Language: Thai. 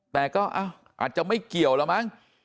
แต่ก็อาจจะไม่เกี่ยวแล้วมั้ง